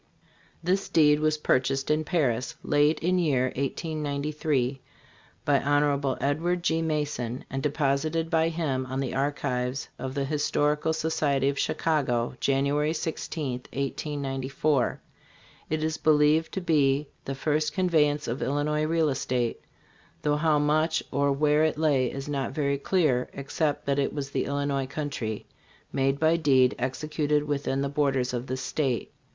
This deed was purchased in Paris, late in year 1893, by Hon. Edward G. Mason and deposited by him in the archives of the Historical Society of Chicago, January 16, 1894. It is believed to be the first conveyance of Illinois real estate, though how much or where it lay is not very clear, ex cept that it was the Illinois country, made by deed executed within the borders of this state.